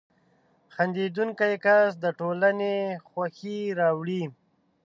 • خندېدونکی کس د ټولنې خوښي راوړي.